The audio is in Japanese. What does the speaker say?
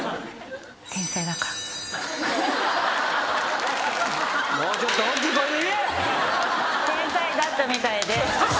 天才だったみたいで！